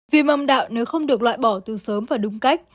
viêm mòng đạo nếu không được loại bỏ từ sớm và đúng cách